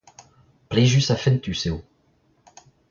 Plijus ha fentus eo.